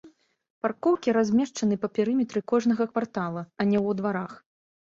Паркоўкі размешчаны па перыметры кожнага квартала, а не ў дварах.